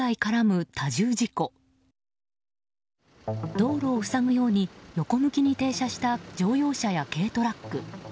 道路を塞ぐように横向きに停車した乗用車や軽トラック。